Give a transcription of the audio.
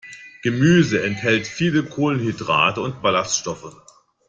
Gemüse enthält viele Kohlenhydrate und Ballaststoffe.